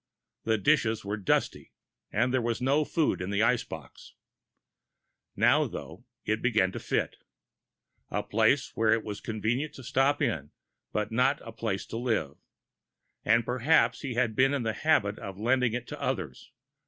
The dishes were dusty, and there was no food in the ice box. Now, though, it began to fit a place where it was convenient to stop in, but not a place to live. And perhaps he had been in the habit of lending it to others.